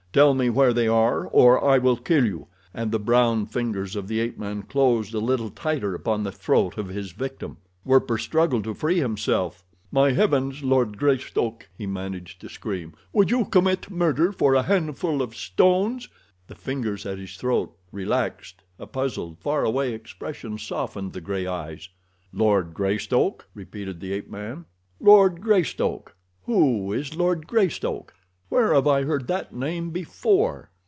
Tell me where they are or I will kill you," and the brown fingers of the ape man closed a little tighter upon the throat of his victim. Werper struggled to free himself. "My God, Lord Greystoke," he managed to scream, "would you commit murder for a handful of stones?" The fingers at his throat relaxed, a puzzled, far away expression softened the gray eyes. "Lord Greystoke!" repeated the ape man. "Lord Greystoke! Who is Lord Greystoke? Where have I heard that name before?"